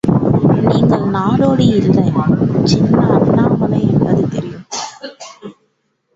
நீங்கள் நாடோடி அல்ல, சின்ன அண்ணாமலை என்பது தெரியும்.